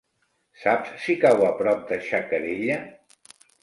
Saps si cau a prop de Xacarella?